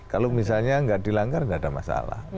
kalau misalnya gak dilanggar gak ada masalah